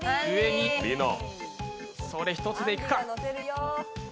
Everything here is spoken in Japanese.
それ１つで行くか。